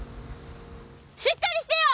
しっかりしてよ！